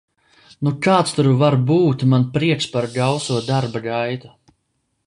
Nu kāds tur var būt man prieks par gauso darba gaitu.